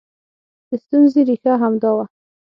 د ستونزې ریښه همدا وه